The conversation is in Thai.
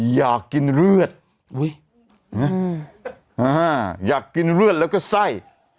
อยากกินเลือดอยากกินเลือดแล้วก็ไส้